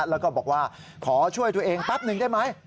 แล้วก็บอกว่าขอช่วยตัวเองแป๊บนึงได้ไหม